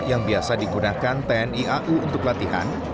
yang biasa digunakan tni au untuk latihan